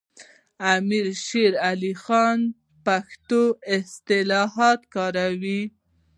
امیر شیر علي خان پښتو اصطلاحات کارول.